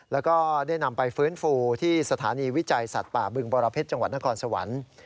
แล้วก็ได้นำไปฟื้นฟูที่สถานีวิจัยสัตว์ป่าบึงบรเพชรจังหวัดนครสวรรค์